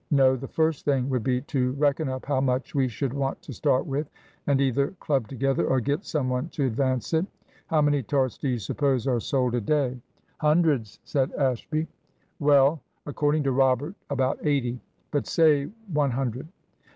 No, the first thing would be to reckon up how much we should want to start with, and either club together or get some one to advance it. How many tarts do you suppose are sold a day?" "Hundreds," said Ashby. "Well, according to Robert, about eighty. But say one hundred.